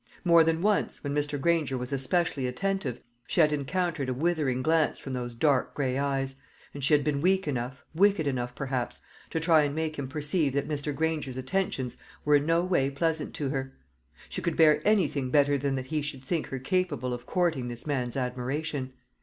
More than once, when Mr. Granger was especially attentive, she had encountered a withering glance from those dark gray eyes, and she had been weak enough, wicked enough perhaps, to try and make him perceive that Mr. Granger's attentions were in no way pleasant to her. She could bear anything better than that he should think her capable of courting this man's admiration.